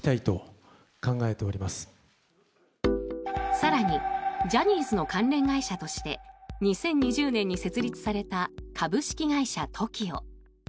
更にジャニーズの関連会社として２０２０年に設立された株式会社ＴＯＫＩＯ。